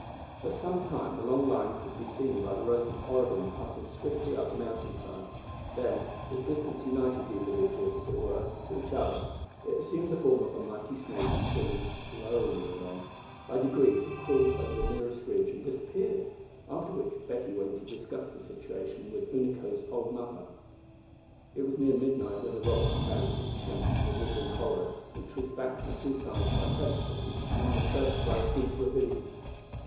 For some time the long line could be seen by the Rose of Oregon passing swiftly up the mountain side. Then, as distance united the individuals, as it were, to each other, it assumed the form of a mighty snake crawling slowly along. By degrees it crawled over the nearest ridge and disappeared, after which Betty went to discuss the situation with Unaco's old mother. It was near midnight when the robber band encamped in a wooded hollow which was backed on two sides by precipices and on the third by a deep ravine.